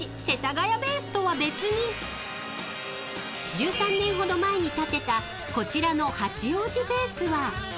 ［１３年ほど前に建てたこちらの八王子ベースは］